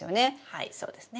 はいそうですね。